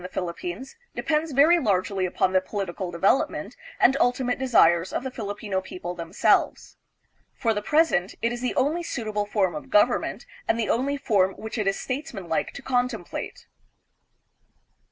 Whether it will long prevail in the Philippines, depends very largely upon the political development and ultimate desires of the Filipino people themselves. For the present, it is the only suitable form of government and the only form which it is statesmanlike to contemplate.